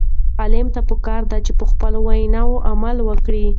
عالم ته پکار ده چې په خپله وینا عمل وکړي.